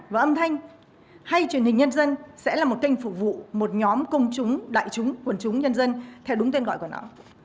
và âm thanh hay truyền hình nhân dân sẽ là một kênh phục vụ một nhóm công chúng đại chúng quần chúng nhân dân theo đúng tên gọi của não